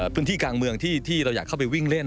พื้นที่กลางเมืองที่เราอยากเข้าไปวิ่งเล่น